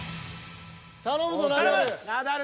頼むぞナダル。